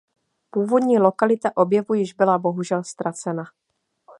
Původní lokalita objevu již byla bohužel ztracena.